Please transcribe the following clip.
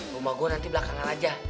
rumah gue nanti belakangan aja